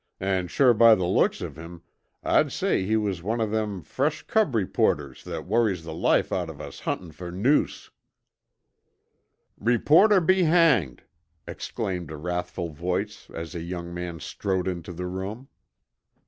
An' shure by the looks of him I'd say he was one of thim fresh cub reporters that worries the life out of us huntin' for noos." "Reporter be hanged!" exclaimed a wrathful voice, as a young man strode into the room.